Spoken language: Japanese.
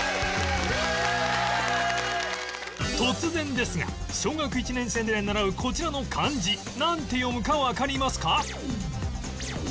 突然ですが小学１年生で習うこちらの漢字なんて読むかわかりますか？